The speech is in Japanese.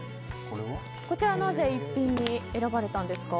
こちらなぜ逸品に選ばれたんですか。